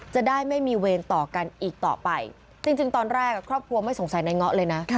จะได้ไม่มีเวรต่อกันอีกต่อไปจริงตอนแรกครอบครัวไม่สงสัยในเงาะเลยนะ